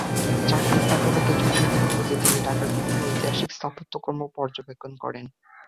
চাকরির ফাঁকে ফাঁকে ছুটির দিনগুলোতে তিনি ঢাকার বিভিন্ন ঐতিহাসিক স্থাপত্যকর্ম পর্যবেক্ষণ করেন।